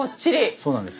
そうなんです。